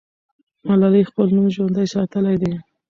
ملالۍ خپل نوم ژوندی ساتلی دی.